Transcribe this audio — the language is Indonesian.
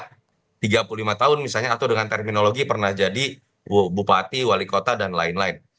kalau misalnya jadi perempuan yang berusia tiga puluh atau tiga puluh lima tahun misalnya atau dengan terminologi pernah jadi bupati wali kota etc